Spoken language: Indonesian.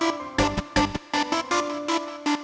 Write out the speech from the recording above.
oh iya teleponnya resmi